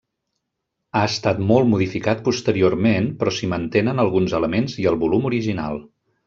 Ha estat molt modificat posteriorment, però s'hi mantenen alguns elements i el volum original.